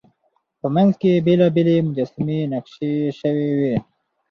په منځ کې یې بېلابېلې مجسمې نقاشي شوې وې.